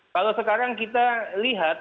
kalau sekarang kita lihat